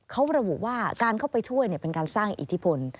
เขาระบุว่าการเข้าไปช่วยเป็นการสร้างอิทธิพล